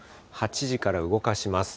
８時から動かします。